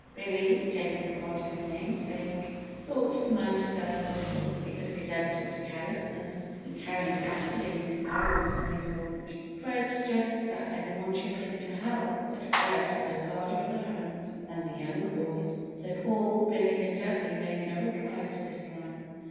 Billy, taking the part of his namesake thought the man deserved little because of his evident carelessness in carrying gasoline in barrels on his launch. Fred suggested that every one chip in to help, but Fred had a larger allowance than the younger boys, so Paul, Billy and Dudley made no reply to this plan.